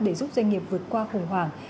để giúp doanh nghiệp vượt qua khủng hoảng